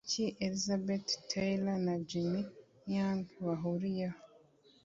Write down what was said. Niki Elizabeth Taylor na Jimmy Young bahuriyeho